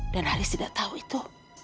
dan haris tidak tau itu